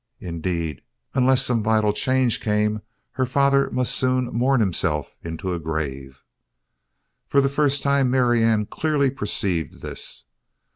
Indeed, unless some vital change came, her father must soon mourn himself into a grave. For the first time Marianne clearly perceived this.